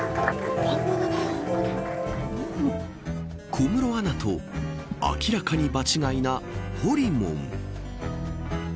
小室アナと明らかに場違いな、ほりもん。